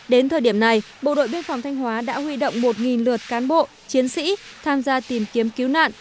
đến thời điểm này bộ đội biên phòng thanh hóa đã huy động một lượt cán bộ chiến sĩ tham gia tìm kiếm cứu nạn